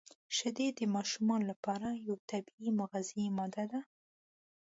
• شیدې د ماشومانو لپاره یو طبیعي مغذي ماده ده.